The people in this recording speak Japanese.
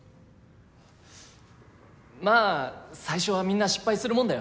まあ最初はみんな失敗するもんだよ。